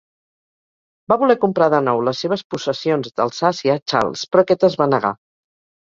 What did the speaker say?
Va voler comprar de nou les seves possessions d'Alsàcia a Charles, però aquest es va negar.